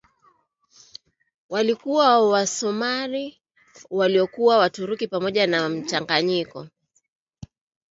walikuwa Waosmani waliokuwa Waturuki pamoja na mchanganyiko